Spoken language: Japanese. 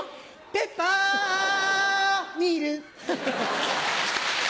ペッパーミル！